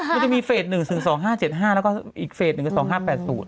มันก็มีเฟสหนึ่งซึ่ง๒๕๗๕แล้วก็อีกเฟสหนึ่ง๒๕๘๐